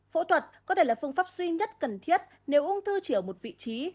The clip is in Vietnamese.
phẫu thuật có thể là phương pháp duy nhất cần thiết nếu ung thư chỉ ở một vị trí